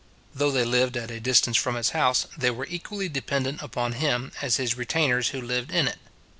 Though they lived at a distance from his house, they were equally dependent upon him as his retainers who lived in it.